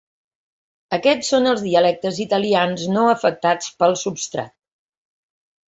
Aquests són els dialectes italians no afectats pel substrat.